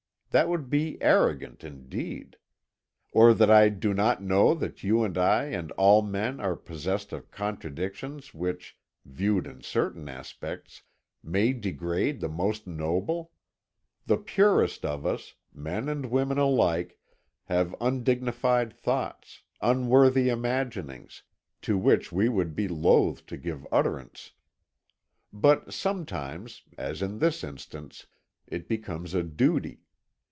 That would be arrogant, indeed. Or that I do not know that you and I and all men are possessed of contradictions which, viewed in certain aspects, may degrade the most noble? The purest of us men and women alike have undignified thoughts, unworthy imaginings, to which we would be loth to give utterance. But sometimes, as in this instance, it becomes a duty.